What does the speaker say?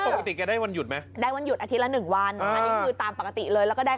ปกติได้วันหยุดมั้ยได้วันหยุดอาทิตย์ละ๑วันตามปกติเลยแล้วก็ได้